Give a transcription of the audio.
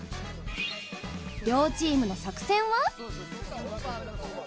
両チームの作戦は？